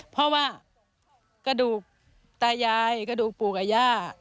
เพราะว่ากระดูกตายายกระดูกปู่กับย่า